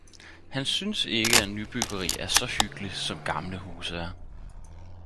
Han synes ikke, at nybyggeri er så hyggeligt som gamle huse er.